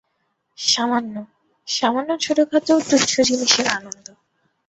সামান্য, সামান্য ছোটখাটো তুচ্ছ জিনিসের আনন্দ!